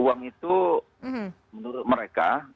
uang itu menurut mereka itu dikumpulkan oleh raja dan permaisuri